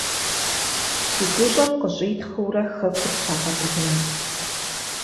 Си гущӏэм къыщӏитхъыурэ хэкур сагъэбгынэ.